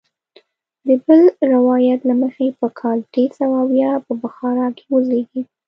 د بل روایت له مخې په کال درې سوه اویا په بخارا کې وزیږېد.